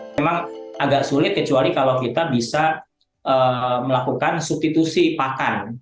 memang agak sulit kecuali kalau kita bisa melakukan substitusi pakan